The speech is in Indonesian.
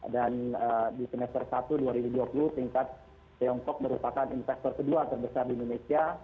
dan di semester satu dua ribu dua puluh tingkat tiongkok merupakan investor kedua terbesar di indonesia